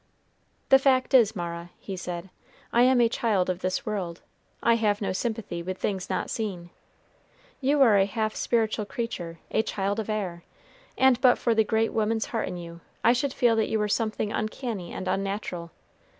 "The fact is, Mara," he said, "I am a child of this world. I have no sympathy with things not seen. You are a half spiritual creature, a child of air; and but for the great woman's heart in you, I should feel that you were something uncanny and unnatural.